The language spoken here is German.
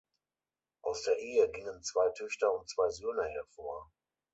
Aus der Ehe gingen zwei Töchter und zwei Söhne hervor.